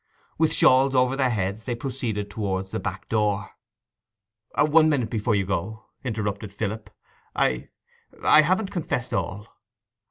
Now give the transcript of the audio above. With shawls over their heads they proceeded towards the back door. 'One minute before you go,' interrupted Philip. 'I—I haven't confessed all.